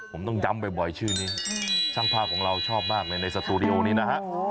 ผมต้องย้ำบ่อยชื่อนี้ช่างภาพของเราชอบมากเลยในสตูดิโอนี้นะฮะ